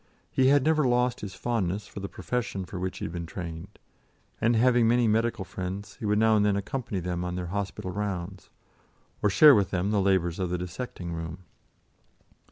He had never lost his fondness for the profession for which he had been trained, and having many medical friends, he would now and then accompany them on their hospital rounds, or share with them the labours of the dissecting room.